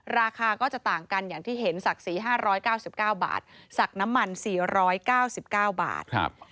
ราคาก็จะต่างกันอย่างที่เห็นศักดิ์ศรี๕๙๙บาทศักดิ์น้ำมัน๔๙๙บาท